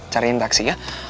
cariin taksi ya